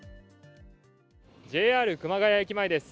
ＪＲ熊谷駅前です。